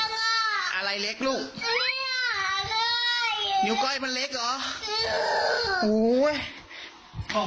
ของแม่ก็เล็กในนิ้วก้อยอ่ะของแม่ก็เล็ก